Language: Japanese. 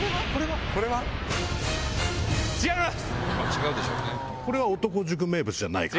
違うでしょうね。